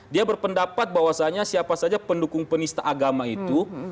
dia berpendapat bahwasannya siapa saja pendukung penista agama itu